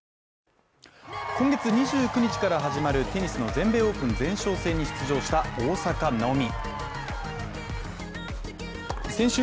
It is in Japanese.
今月２９日から始まるテニスの全米オープン前哨戦に出場した大坂なおみ。